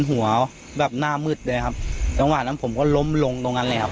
หัวแบบหน้ามืดเลยครับจังหวะนั้นผมก็ล้มลงตรงนั้นเลยครับ